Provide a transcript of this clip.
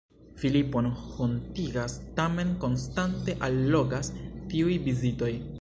Filipon hontigas, tamen konstante allogas tiuj vizitoj.